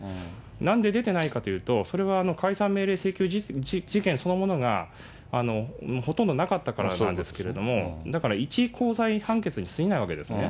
なんで出てないかというと、それは解散命令請求事件そのものがほとんどなかったからなんですけれども、だからいち高裁判決に過ぎないわけですね。